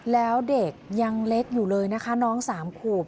แล้วเด็กยังเล็กอยู่เลยนะคะน้องสามขวบ